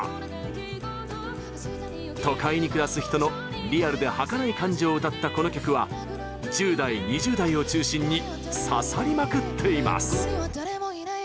都会に暮らす人のリアルではかない感情を歌ったこの曲は１０代２０代を中心に刺さりまくっています。